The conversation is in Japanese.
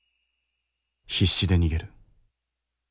必死で逃げる。